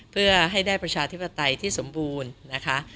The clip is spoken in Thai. เพื่อให้ได้ประชาธิปไตยที่สมบูรณ์นะคะ